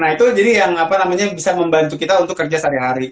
nah itu jadi yang bisa membantu kita untuk kerja sehari hari